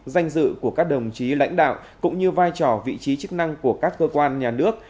danh dự của các đồng chí lãnh đạo cũng như vai trò vị trí chức năng của các cơ quan nhà nước